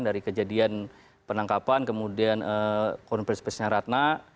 dari kejadian penangkapan kemudian konfirmasi konfirmasinya ratna